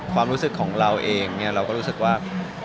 ความรู้สึกของเราเองเราก็รู้สึกว่า